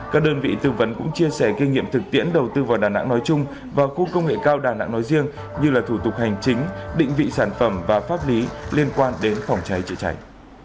các đơn vị tư vấn cũng chia sẻ kinh nghiệm thực tiễn đầu tư vào đà nẵng nói chung và khu công nghệ cao đà nẵng nói riêng như là thủ tục hành chính định vị sản phẩm và pháp lý liên quan đến phòng cháy chữa cháy